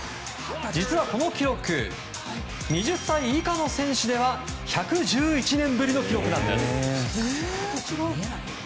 実はこの記録２０歳以下の選手では１１１年ぶりの記録なんです。